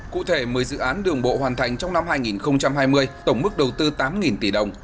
cụ thể một mươi dự án đường bộ hoàn thành trong năm hai nghìn hai mươi tổng mức đầu tư tám tỷ đồng